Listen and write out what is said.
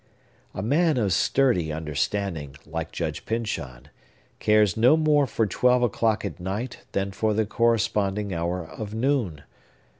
A man of sturdy understanding, like Judge Pyncheon, cares no more for twelve o'clock at night than for the corresponding hour of noon.